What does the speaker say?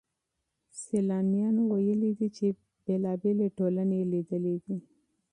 سيلانيانو ويلي دي چي بېلابېلې ټولني يې ليدلې دي.